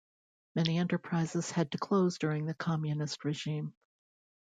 Many enterprises had to close during the communist regime.